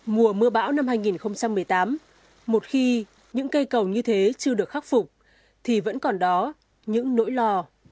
mùa mưa bão năm hai nghìn một mươi tám một khi những cây cầu như thế chưa được khắc phục thì vẫn còn đó những nỗi lo